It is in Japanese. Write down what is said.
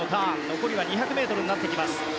残りは２００ｍになってきます。